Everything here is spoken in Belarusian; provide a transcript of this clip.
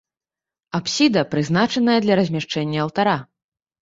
Апсіда прызначаная для размяшчэння алтара.